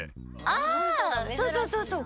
あそうそうそうそう。